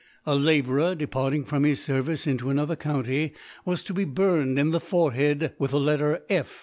A Labourer departing from his Service into another Country was, to be burned in the Forehead with the Letter F.